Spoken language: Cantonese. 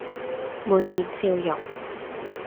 滿面笑容，